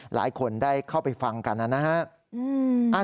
หลายคนได้เข้าไปฟังกันนะครับ